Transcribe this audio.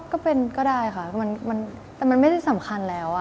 ก็ได้ค่ะแต่มันไม่ได้สำคัญแล้ว